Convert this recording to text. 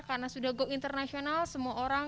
karena sudah go internasional semua orang